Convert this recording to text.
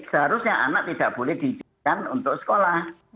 seharusnya anak tidak boleh diizinkan untuk sekolah